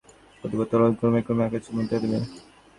কঠিন পদার্থগুলি তরলাকার ধারণ করিবে, তরল ক্রমে ক্রমে আকাশে পরিণত হইবে।